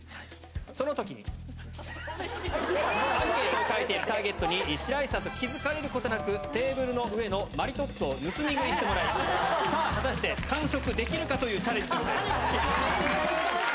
そのときに、アンケートを書いているターゲットに、白石さんと気付かれることなくテーブルの上のマリトッツォを盗み食いしてもらい、さあ、果たして完食できるかというチャレンジでございます。